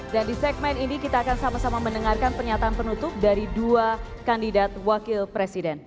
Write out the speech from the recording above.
dan di segmen ini kita akan sama sama mendengarkan pernyataan penutup dari dua kandidat wakil presiden